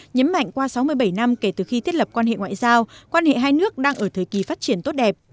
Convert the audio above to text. nhấn mạnh qua sáu mươi bảy năm kể từ khi thiết lập quan hệ ngoại giao quan hệ hai nước đang ở thời kỳ phát triển tốt đẹp